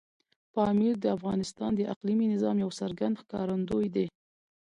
پامیر د افغانستان د اقلیمي نظام یو څرګند ښکارندوی دی.